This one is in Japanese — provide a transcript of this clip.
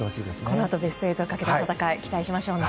このあとベスト８の戦い期待しましょうね。